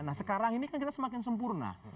nah sekarang ini kan kita semakin sempurna